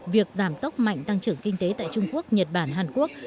việc giảm tốc mạnh tăng trưởng kinh tế tại trung quốc nhật bản hàn quốc